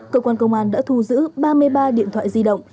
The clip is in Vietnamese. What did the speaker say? cơ quan công an đã thu giữ ba mươi ba điện thoại di động